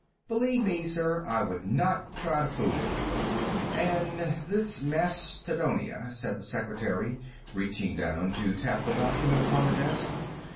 "Believe me, sir, I would not try to fool you." "And this Mastodonia," said the secretary, reaching down to tap the document upon the desk.